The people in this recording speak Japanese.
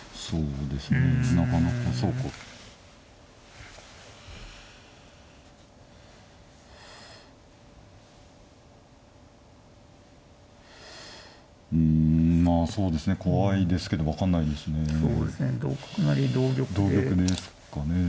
そうですね